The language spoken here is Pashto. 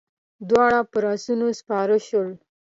دواړه پر آسونو سپاره شول.